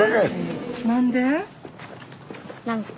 何で？